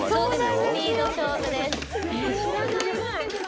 スピード勝負です。